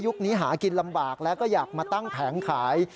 นี้หากินลำบากแล้วก็อยากมาตั้งแผงขาย